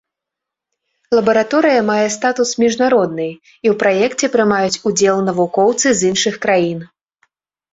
Лабараторыя мае статус міжнароднай, і ў праекце прымаюць удзел навукоўцы з іншых краін.